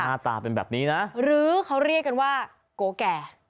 หน้าตาเป็นแบบนี้นะหรือเขาเรียกกันว่าโกแก่